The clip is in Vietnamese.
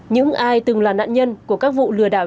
những ai từng là nạn nhân của các vụ lừa đảo